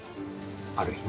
ある日な。